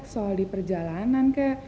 soal di perjalanan kek